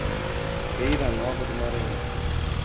Feira Nova do Maranhão